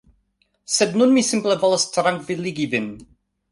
Sed nun mi simple volas trankviligi vin